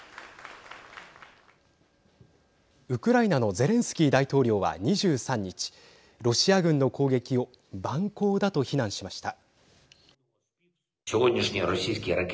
ウクライナのゼレンスキー大統領は２３日ロシア軍の攻撃を蛮行だと非難しました。